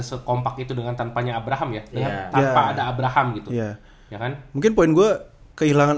sekompak itu dengan tanpanya abraham ya tanpa ada abraham gitu ya kan mungkin poin gue kehilangan